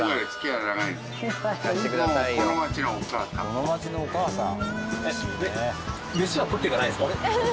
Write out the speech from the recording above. この街のお母さん？